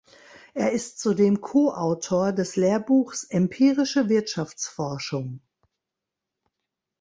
Er ist zudem Ko-Autor des Lehrbuchs „Empirische Wirtschaftsforschung.